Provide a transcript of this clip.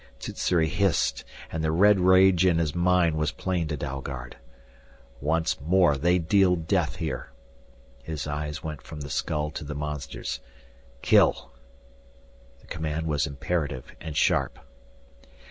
Sssuri hissed and the red rage in his mind was plain to Dalgard. "Once more they deal death here " His eyes went from the skull to the monsters. "Kill!" The command was imperative and sharp.